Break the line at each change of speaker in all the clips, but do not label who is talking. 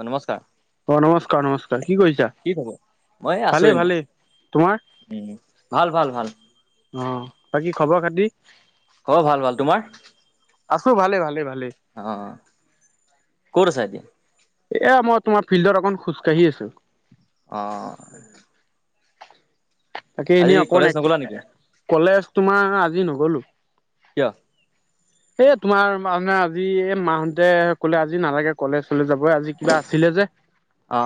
অ নমস্কাৰ
অ নমস্কাৰ নমস্কাৰ কি কৰিছা
কি খবৰ মই আছো
ভালে
এনে
ভালে তোমাৰ
উম ভাল ভাল ভাল
অহ বাকী খবৰ খাতি।
অহ ভাল ভাল তোমাৰ
আছো ভালে ভালে ভালে।
অহ কত আছা এতিয়া
এ মই তোমাৰ ফিল্ডত অকনমান খোজকাাঢ়ি আছো
অহ।
তাকে এনেই অকনমান এক
নগ'লা নেকি
কলেজ তোমাৰ আজি নগলো।
কিয়?
এ তোমাৰ মানে আজি যাব আজি কিবা আছিলে যে সেইকাৰণে,
অ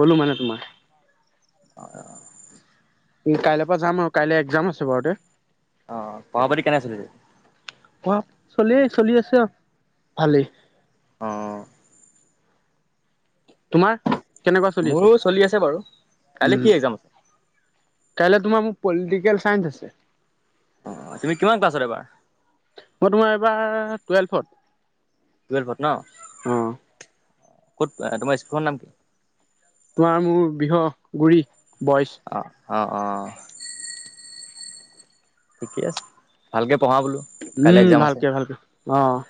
ব'লো মানে তোমাৰ
অ',
কাইলৈ পৰা যাম আৰু কাইলৈ এক্জাম আছে বাৰু দে
অ পহাপতি কেনে চলিছে।
ক চলে চলি আছে ভালেই
অঁ
তোমাৰ কেনেকুৱা চলি আছে
কাইলৈ
উম
কি এক্জাম আছে
কাইলে তোমাৰ মোক পলিটিকেল চাইন্স আছে
অ', তুমি কিমান ক্লাছত এইবাৰ?
ৱা টুৱেলভত।
টুৱেলভত ন,
অ
ক'ত তোমাৰ স্কুলৰ নাম কি?
তোমাৰ মোৰ বৃহ গুৰি বয়চ।
অ অ', অ'। ঠিকে আছে, ভালকে পঢ়া বোলো। কাইলৈ
উম,
এক্জাম আছে
ভালকে, ভালকে অ'।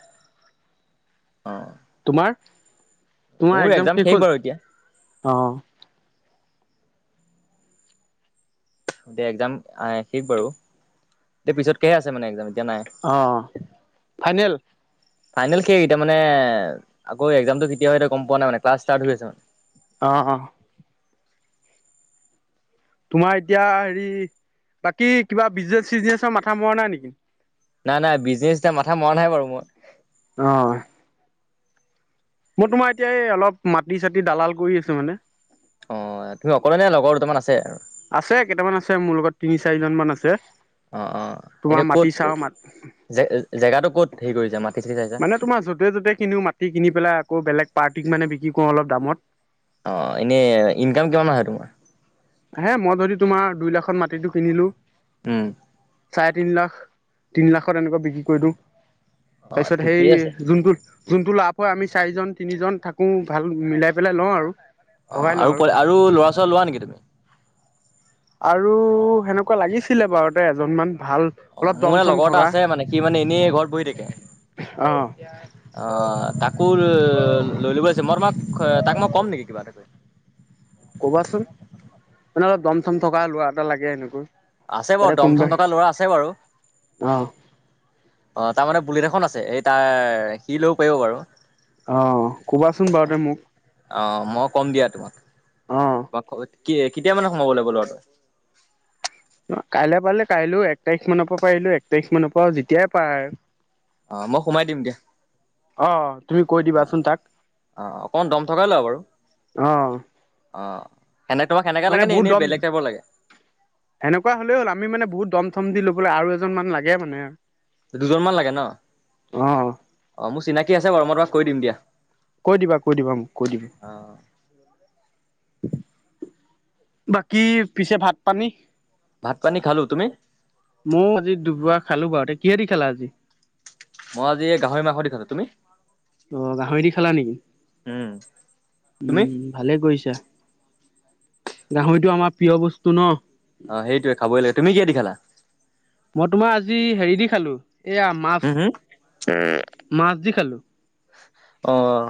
অ
তোমাৰ,
মোৰ
তোমাৰ এক্জাম শেষ হ'ল?
বাৰু এতিয়া
অ'।
এতিয়া একজাম শেষ বাৰু এতিয়া পিছতকেহে আছে মানে একজাম।
অহ, ফাইনেল।
ফাইনেল সেই এতিয়া মানে আকৌ একজামটো কেতিয়া গম পোৱা নাই মানে ক্লাস ষ্টাৰ্ট হৈ আছে মানে।
অ অ তোমাৰ এতিয়া হেৰি বাকী কিবা বিজনেচ চিজনেচৰ মাথা মৰা নাই নেকি?
নাই, নাই বিজনেচ এতিয়া মাথা মৰা নাই বাৰু মই।
অ'। মই তোমাৰ এতিয়া এই অলপ মাটি চাটি দালাল কৰি আছো মানে।
অ', তুমি অকলে নে লগৰ দুটামান আছে আৰু?
আছে কেইটামান আছে মোৰ লগত তিনি চাৰিজন মান আছে।
অ অ
তোমাৰ
এনে ক'ত
মাটি চাওঁ মাত
জে-জেগাটো ক'ত হেৰি কৰিছে মা
মানে তোমাৰ য'তে য'তে কিনিও মাটি কিনি পেলাই আকৌ বেগ পাৰ্টিক মানে বিক্ৰী কৰোঁ অলপ দামত।
অ, এনেই ইনকাম কিমান হয় তোমাৰ?
হে মই যদি তোমাৰ দুই লাখত মাটিটো কিনিলো।
উম।
চাৰে তিন লাখ, তিন লাখৰ এনেকুৱা বিক্ৰী কৰি দিওঁ।
অ'
তাৰপিছত
ঠিকেই আছে।
সেই যোনটো, যোনটো লাভ ও আমি চাৰিজন তিনিজন থাকোঁ ভাল মিলাই পেলাই লওঁ আৰু।
অ',
ভগাই লওঁ
আৰু আৰু ল'ৰা ছাল লোৱা নেকি তুমি?
আৰু সেনেকুৱা লাগিছিলে বাৰু তে এজনমান। ভাল
অ',
অলপ
মোৰ
দম
এ
চম
লগৰ এটা
থকা
আছে মানে সি মানে এনেই ঘৰত বহি থাকে। অ',
অ
তাকো লৈ ল'বছে, মই মাক তাক মই কম নেকি কিবা এটাকৈ?
কবাচোন মানে অলপ দম চম থকা ল'ৰা এটা লাগে এনেকুৱৈ।
আছে বাৰু, দমথম থকা ল'ৰা আছে বাৰু। অ,
অ
তাৰ মানে বুলেট এখন আছে এই তাৰ সি লৈও পাৰিব বাৰু।
অ', ক'বাচোন বাৰু দে মোক।
অ, মই কম দিয়া
অ
তোমাক-তোমাকব কি কেতিয়া মানে সোমাব লাগিব ল'ৰাটো।
কাইলে পাৰিলে কাইলৈ এক তাৰিখ মানৰ পৰা পাৰিলো এক তাৰিখ মানৰ পৰা যেতিয়াই পাৰে আৰু।
অ, মই সোমাই দিম দিয়া।
অ', তুমি কৈ দিবাচোন তাক।
আহ অকমান দম থকাই লওঁ বাৰু
অ
অ' সেনে তোমাক সেনেকা
মানে
লাগে নে
বহুত
এনেই
দম
বেলেগ টাইপৰ লাগে
সেনেকুৱা হলেও হ'ল আমি মানে বহুত দমথম দি বোলে আৰু এজন মান লাগে মানে
দুজনমানান লাগে ন?
অ',
অ' মোৰ চিনাকি আছে বাৰু, মই তোমাক কৈ দিম দিয়া।
কৈ দিবা, কৈ দিবা, কৈ দিবা।
অ
বাকী পিছে ভাত পানী
ভাত পানী খালো তুমি
মইও আজি দুবৰা খালো বাৰুতে কিহেতি খালা আজি।
মই আজি এই গাহৰি মাংস দি খালো। তুমি?
অ', গাহৰি দি খালা নেকি?
উম তুমি
উম ভালে কৰিছা, গাহৰিটো আমাৰ প্ৰিয় বস্তু ন।
অ সেইটোৱে খাবই লাগে তুমি কিহে দি খালা
মই তোমাৰ আজি হেৰি দি খালো এয়া
হুম হুম
মাছ মাছ দি খালো।
আহ।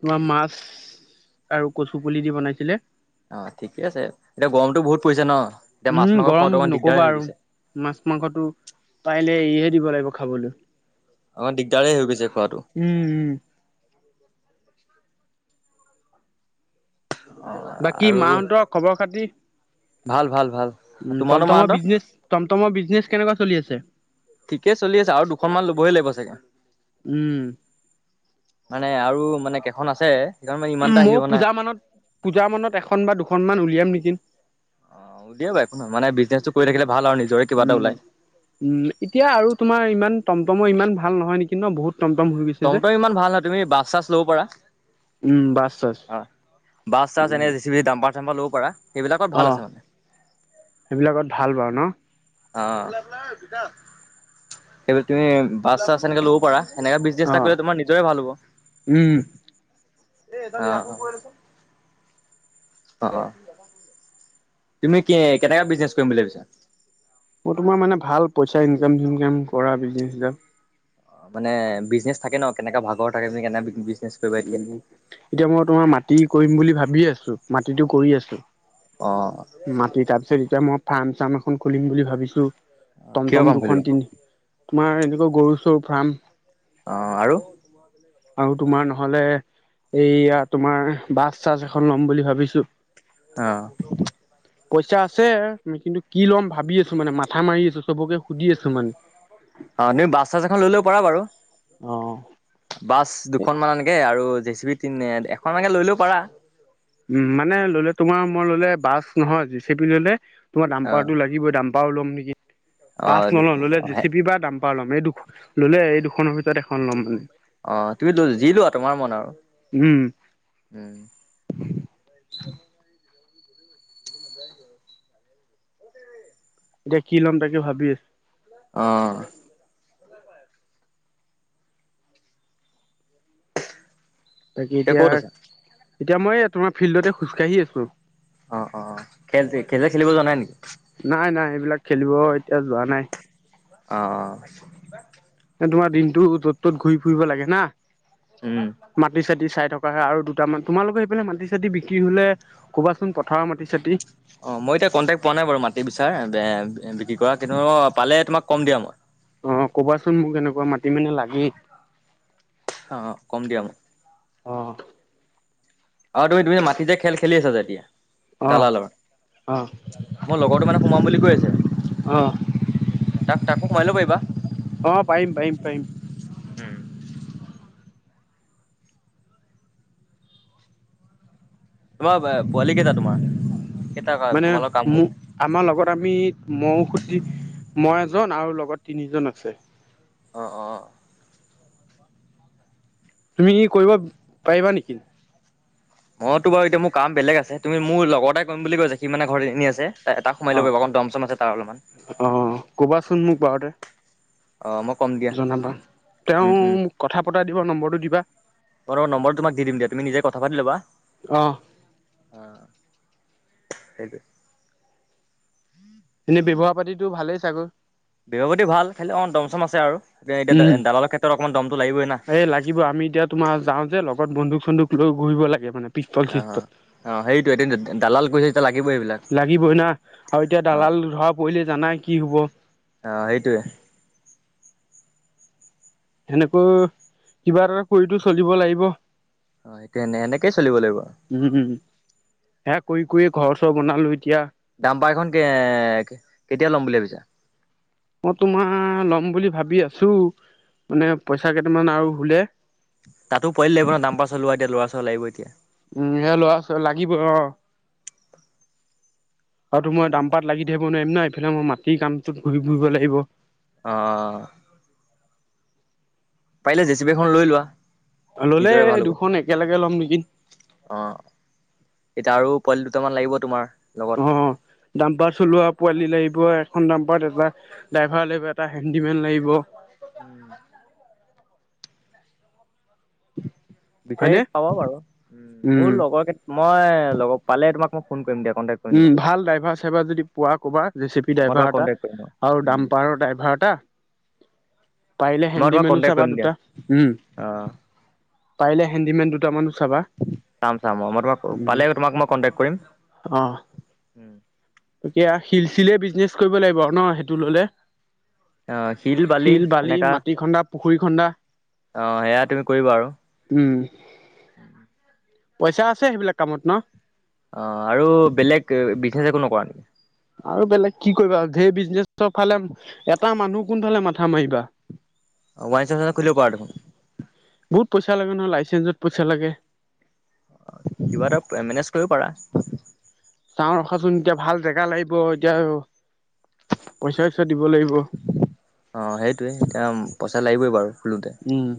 তোমাৰ মাছ আৰু কচু পুলি দি বনাইছিলে।
অ' ঠিকে আছে, এতিয়া গৰমতটো বহুত পৰিছে ন, এতিয়া মাছ
উম,
মাংস
গৰম
খোৱাটো অকমান দিগদাৰ
নকবা
হৈ
আৰু
গৈছে।
মাছ মাংসটো পাৰিলে এৰিহে দিব লাগিব খাবলৈ।
আমাৰ দিগদাৰেই হৈ গৈছে খোৱাাতটো
উম, উম, বাকী
আৰু
মাহতৰ খবৰ খাতি?
ভাল ভাল ভাল
উম
তোমাৰো
টমটমৰ
মাহঁতৰ
বিজনেছ, টমটমৰ বিজনেছ, কেনেকুৱা চলি আছে?
ঠিকেই চলি আছে, আৰু দুশ মান ল'বহে লাগিব চাগে।
উম,
মানে আৰু মানে কেইখন আছে সেইখন মানে ইমান এটা হেৰি
ময়
হোৱা নাই
পূজা মানত পূজা মানত এখন বা দুখন মান উলিয়াম নেকি।
অ দিয়া বাৰু একো মানে বিজনেছটো কৰি থাকিলে ভাল আৰু নিজৰে কিবা এটা
উম
ওলাই
উম এতিয়া আৰু তোমাৰ ইমান টমটমৰ ইমান ভাল নহয় নেকি ন বহুত। টমটম হৈ গৈছে
টম
যে।
তম ইমান ভাল নহয় তুমি বাছ চাছ লব পাৰা
উম, বাছ চাছ
অ' বাছ চাছ
উম,
এনে জি চি বিি ডাম্পাৰ চাম্পাৰ ল'ব পাৰা এইবিলাকৰ ভাল
অ',
আছে মানে
সেইবিলাকত ভাল বাৰু ন?
অ' সেই বুলি তুমি বাচ চাছ এনেকে লব পাৰা এনেকা বিজনেছ এটা
অ',
কৰিলে তোমাৰ নিজৰে ভাল হ'ব। অ'
উম,
অ' অ' অ'। তুমি কি কেনেকা বিজনেছ কৰিম বুলি ভাবিছা?
মই তোমাৰ মানে ভাল পইচা ইনকাম চিনকাম কৰা বিজনেছ
অ' মানে বিজনেছ থাকে ন, কেনেকা ভাগৰ থাকে কেনে বিজনেছ কৰিবা
উ
এতিয়া
এতিয়া মই তোমাৰ মাটি কৰিম বুলি ভাবি আছো মাটিটো কৰি আছো
অ
মাতি তাৰপিছত এতিয়া মই। ফাৰ্ম চাৰ্ভ এখন খুলিম বুলি ভাবিছো, টম
কিহৰ
টম
ফাৰ্ম খুলিবা
দুখন দিম। তোমাৰ এনেকুৱা গৰু চৰু ফাৰ্ম
অ' আৰু?
আৰু তোমাৰ নহ'লে এইয়া তোমাৰ বাছ চাৰ্জ এখন লম বুলি ভাবিছো।
আহ।
পইচা আছে, কিন্তু কি ল'ম ভাবি আছো। মানে মাথা মাৰি আছো চবকে সুধি আছো মানে।
অ' তুমি বাছ চাছ এখন লৈ লব পাৰা বাৰু
উম
বাছ দুখন মান এনেকে আৰু আৰু জে চি বি তিনে এখন এনে লৈ লোৱা ও পাৰা।
উ মানে ললে তোমাৰ মই ললে বাছ নহয় জে চে পি ললে তোমাৰ দাম
অ
পাৰতটো লাগিবই দাম্পাৰো ল'ম নেকি
অ
পাছ নল'ম ল'লে জেচিপি বা দাম্পাৰ ল'ম ম এই দুখন ল'লে এই দুখনৰ ভিতৰত এখন ল'ম মানে
অ' তুমি যি লোৱা তোমাৰ মন আৰু
উম
উম [inaudible]
এতিয়া কি লম তাকে ভাবি আছো
অহ
বাকী এতিয়া
ক'ত আছা
এতিয়া মই তোমাৰ ফিল্ডতে খোজকাাঢ়ি আছো
অ অ অ খেল খেলে খেলিব জ নাই নেকি
বিলাক খেলিব এতিয়া যোৱা নাই
অ অ
তোমাৰ দিনটো য'ত ত'ত ঘূৰি ফুৰিব লাগে না
উম
মাটি চাটি চাই থকা ে আৰু দুটা মান তোমালোকৰ সেইফালে মাটি চাতি বিক্ৰী হলে ক'বাচোন পথাৰৰ মাটি চাতিি
অ মই এতিয়া কণ্টেক্ট পোৱা নাই বাৰু মাটি বিচাৰ বিক্ৰী কৰা কিন্তু পালে তোমাক কম দিয়া মই
অ কবাচোন মোক এনেকুৱা মাটি মানে লাগেই
অ অ কম দিয়া মো
অ
অ তুমি তুমি মাটি যে খেল খেলি আছা যে এতিয়া
অ
দালালৰ
অ
মই লগৰটো মানে সোমাম বুলি কৈ আছে
অ
তাক তাকো সোমাই লব পাৰিবা
অ পাৰিম পাৰিম পাৰিম
উম তোমাৰ পোৱালি কেইটা তোমাৰ কেইটা
মানে
তোমালোক কাম কৰা
আমাৰ লগত আমি মহ ঔষুধি মই এ জন আৰু লগত তিনিজন আছে
অঁ অঁ
তুমি কৰিব পাৰিবা নিকি
মইতো বাৰু এতিয়া মোৰ কাম বেলেগ আছে তুমি মোৰ লগৰতাই কৰিম বুলি কৈ আছে সি মানে ঘৰত এনি আছে এটা সোমাই
অ
ল'ব পাৰিব অকণ দম চম আছে তাৰ অলপমান
চুোনমুখ বওঁু
অ মই কম দিয়া
জনাবা তেওঁ
উম
মোক কথা পতাই দিব নম্বৰটো দিবা
অই নম্বৰটো তোমাক দি দিম দিয়া তুমি নিজে কথা পাতি ল'বা
অ
অ সেইটো
এনেই ব্যৱহাৰ পাতিতো ভালেই চাগৰ
বেবপাতি ভাল খালি অলপ দমচম আছে আৰু এতিয়া দা দালৰ ক্ষেত্ৰত অকমান দম
এ লাগিব আমি এতিয়া তোমাৰ যাও যে লগত বন্ধুক চন্দুক লৈ ঘূৰিব লাগে মানে ি
অ অ সেইটোৱে এতিয়া দালাল কৰিছে যেতিয়া লাগিবই এইবিলাক
লই না আৰু এতিয়া
অ
দাল ধৰা পৰিিলে জানাই কি হব
অ সেইটোৱে
সেনেকৈ কিবা এটা কৰিতো চলিব লাগিব
অ সেইটো এনে এনেকেই চলিব লাগিব আৰু
এেয়া কৰি কৰি ঘৰ চৰ বনালো এতিয়া
দাম পাৰখন কে কেতিয়া লম বুলি ভাবিছা
ম তোমাৰ ল'ম বুলি ভাবি ভাবি আছো মানে পইচা কেইটামান আৰু হুলে
তাতো পোৱালি লাগিব ন দামপা চলোৱা এতিয়া ল'ৰা ছৱা লাগিব এতিয়া
উম সে লৰা লাগিব অ আৰু তো মই দামপাত লাগি থাকিব নোৱাৰিম ন এইফালে মই মাটিৰ কামটোত ঘূৰি ফুৰিব লাগিব
অহ পাৰিলে জেচিপি এখন লৈ লোৱা
ললে
নিজৰে ভাল হ'ব
দুখন একেলগে ল'ম নেকি
অ এতিয়া আৰু পোৱালি দুটামান লাগিব তোমাৰ লগত
অ দাম পাৰ চলোৱা পোৱালি লাগিব এখন দাম্পাৰত এটা ড্ৰাইভাৰ লাগিব এটা হেণ্ডিমেন লাগিব
উম বিচাৰি
হয়নে?
পাব বাৰু উ মোৰ
উম,
লগৰ মই লগৰ পালে তোমাক মই ফোন কৰিম দিয়া কণ্টেক্ট কৰিম
উম
তোমাক
ভাল ড্ৰাইভাৰ চাইভাৰ যদি পোৱা কবা জে চি পি
মই তোমাক
ড্ৰাইভাৰ এটা
কণ্টেক্ট কৰিম
আৰু ডাম্পাৰ ড্ৰাইভাৰ এটা
উ
পাৰিলে হেণ্ডিমেনো চাবা দুটা উম
অ
পাৰিলে হেণ্ডিমেন দু দুটামানো চাবা
চাম চাম, অ' মই অ' তোমাক
উম,
পালে তোমাক মই কণ্টেক কৰিম
অ এতিয়া শিলচিলে বিজনেছ কৰিব লাগিব ন সেইটো ললে? শিল বালি মাটি খন্দা পুখুৰী খন্দা
আহ সেয়া তুমি কৰিবা আৰু।
উম, পইচা আছে সেইবিলাক কামত ন?
অ' আৰু বেলেগ বিজনেছ একো নকৰা নেকি?
আৰু বেলেগ কি কৰিবা আৰু ধেৰ বিজনেচৰ ফালে এটা মানুহ কোনফালে মাথা মাৰিবা?
ৱাইন চোৱাইন খুলিব পাৰা দেখোন।
বহুত পইচা লাগে নহয়, লাইচেন্ঞ্চত পইচা লাগে।
অ' কিবা এটা [unintelligible] মেনেজ কৰিব পাৰা।
চাওঁ ৰখাচোন এতিয়া ভাল জেগা লাগিব এতিয়া পইচা চইচা দিব লাগিব
অঁ সেইটোৱে এতিয়া পইচা লাগিবই বাৰু শুলোতে
উম।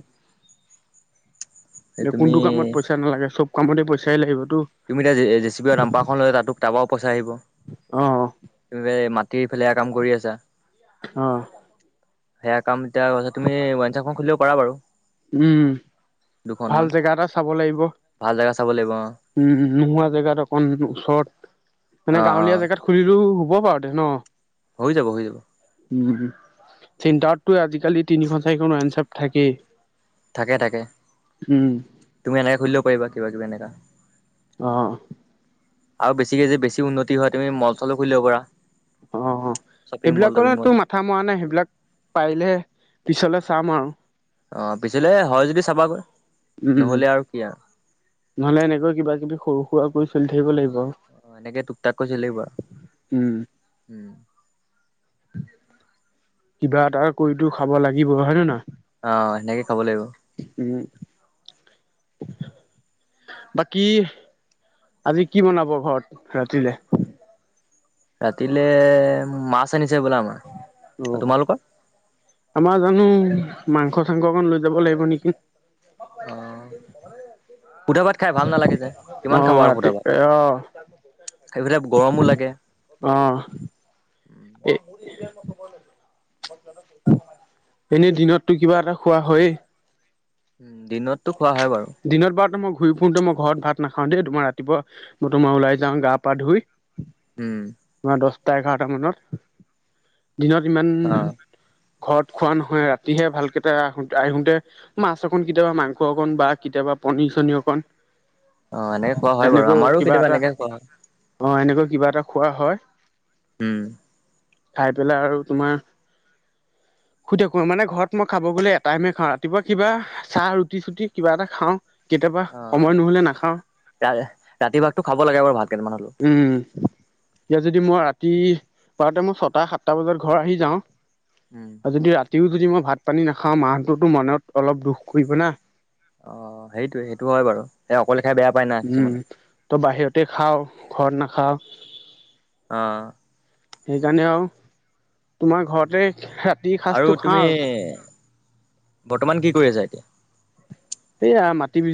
তুমি
কোনটো কামত পইচা নালাগে চব কামতে পইচাই লাগিব
তুমি এতিয়া জে- জে চি পি দাম্পাৰখন লৈ তাটো-তাৰপাও পইচা আহিব
অ
তুমি [unintelligible] [unintelligible] কাম কৰি আছা
আহ
সেয়া কাম এতিয়া তুমি ৱাইঞ্চপ খুলিব পাৰা বাৰু
উম ভাল
দুখনমান।
জেগা এটা চাব লাগিব,
ভাল জেগা চাব লাগিব অ'।
উম নোহোৱা জেগাত অকন ওচৰত মানে
অ' অ'
গাঁৱলীয়া জেগাত খুলিলেও হব বাৰু [unintelligible] ন?
হৈ যাব হৈ যাব
উম চেণ্টাৰতটো আজিকালি তিনিখন চাৰিখন ৱাইনছপ থাকেই
থাকে থাকে।
উম
তুমি এনেকে খুলিব পাৰিবা কিবা কিবি এনেকা
আহ।
আৰু বেছিকে যে বেছি উন্নতি হয় তুমি মল চলো খুলিব পাৰা
অ' অ'
শ্বপিং মল টপিং মল।
সেইবিলাকটো মাথা মৰা নাই, সেইবিলাক পাৰিলে পিছলে চাও। চাম আৰু
অ [unintelligible] হয় যদি চাবাগৈ
উম,
নহ'লে আৰু কি আৰু।
নহলে এনেকৈ কিবা কিবি সৰু সুৰা কৰি চলি থাকিব লাগিব আৰু।
অ' এনেকে টোক টাক কৰি চলি থাকিব,
উম।
উম।
কিবা এটা কৰিতো খাব লাগিব, হয়ে নে নহয়?
আহ সেনেকে খাব লাগিব
উম। বাকী আজি কি বনাব ঘৰত ৰাতিলে?
ৰাতিলে মাছ আনিছে বোলে আমাৰ
অ
তোমালোকৰ
আমাৰ জানো মাংস চাংস অকণ লৈ যাব লাগিব নেকি
আহ সুধা ভাত খাই ভাল নালাগে যে কিমান
অ'
খাবা আৰু
ৰাতি
সুধা
অ'
ভাত [unintelligible] গৰমো লাগে
[inaudible] [inaudible] এনে দিনততটো কিবা এটা খোৱা হয়েই
উম দিনততো খোৱা হয় বাৰু
দিনত বাৰু [unintelligible] ঘূৰি ফুৰুতে মই ঘৰত ভাত নাখাও দেই তোমাৰ ৰাতিপুৱা মই তোমাৰ ওলাই যাও গা ধুই
উম
[unintelligible] এঘাৰটা মানত দিনত ইমান
অ
ঘৰত খোৱা নহয় ৰাতিহে ভালকে আহ আহোতে মাছ একন কেতিয়াবা মাংস [unintelligible] অকণ বা কেতিয়াবা পনী চনী অকণ
অ এনেকে খোৱা হয় বাৰু
এনেকৈ
আমাৰো
কিবা
কেতিয়াবা
এটা
এনেকে খোৱা হয়
অ এনেকৈ কিবা এটা খোৱা হয়
উম
খাই পেলাই আৰু তোমাৰ। সুধে মানে ঘৰত মই খাব গ'লে এটাইমে খাওঁ, ৰাতিপুৱা কিবা চাহ ৰুটি চুটি কিবা এটা খাওঁ। কেতিয়াবা
অ
সময় নহলে নাখাওঁ
ৰাতি ভাতটো খাব লাগে বাৰ ভাতকেইটামান হ'লেও
উম এতিয়া যদি মই ৰাতি পাৰোতে মই ছটা সাতটা বজাত ঘৰ আহি যাওঁ
উম
আও যদি ৰাতিও যদি মই ভাত পানী নাখাওঁ মা হতেটো মনত অলপ দুখ কৰিব না
অ সেইটোয়ে সেইটো হয় বাৰু সেই অকলে খাই বেয়া পায় না
উম
কিছুমানে
ত বাহিৰতে খাও ঘৰত নাখাও
অ'।
সেইকাৰণে আৰু তোমাৰ ঘৰতে ৰাতিৰ সাঁজটো
আৰু
খাওঁ
তুমি বৰ্তমান কি কৰি আছা এতিয়া
সেয়া মাটি বিজ